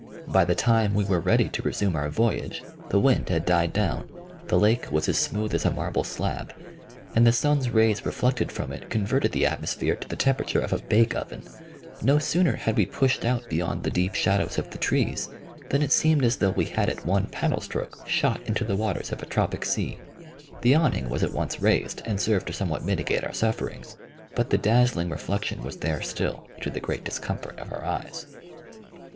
By the time we were ready to resume our voyage, the wind had died down, the lake was as smooth as a marble slab, and the sun's rays reflected from it converted the atmosphere to the temperature of a bake oven. No sooner had we pushed out beyond the deep shadows of the trees than it seemed as though we had at one paddle stroke shot into the waters of a tropic sea. The awning was at once raised, and served to somewhat mitigate our sufferings, but the dazzling reflection was there still, to the great discomfort of our eyes.